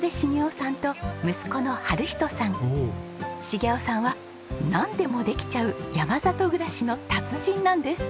茂一さんはなんでもできちゃう山里暮らしの達人なんです。